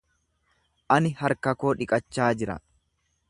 Ani harka koo dhiqachaa jira.